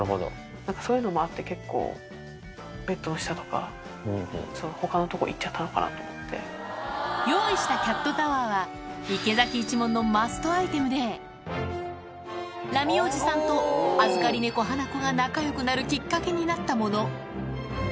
なんかそういうのもあって、結構、ベッドの下とか、ほかの所、用意したキャットタワーは、池崎一門のマストアイテムで、ラミおじさんと預かり猫、ハナコが仲よくなるきっかけになったもの。